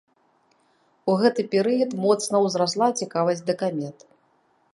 У гэты перыяд моцна ўзрасла цікавасць да камет.